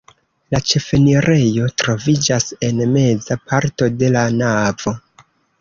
La ĉefenirejo troviĝas en meza parto de la navo.